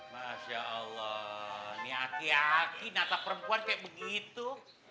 masya allah ini aki aki nata perempuan kayak begitu